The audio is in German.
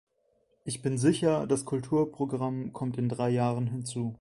Ich bin sicher, das Kulturprogramm kommt in drei Jahren hinzu.